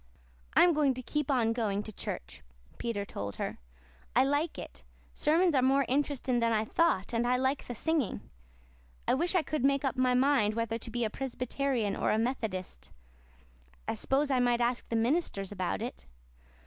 "I'm going to keep on going to church," Peter told her. "I like it. Sermons are more int'resting than I thought, and I like the singing. I wish I could make up my mind whether to be a Presbyterian or a Methodist. I s'pose I might ask the ministers about it."